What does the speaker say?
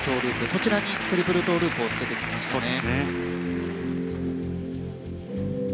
こちらにトリプルトウループをつけてきましたね。